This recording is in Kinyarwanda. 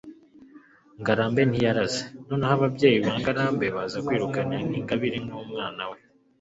ngarambe ntiyaraze. noneho ababyeyi ba ngarambe baza kwirukana ingabire n'umwana we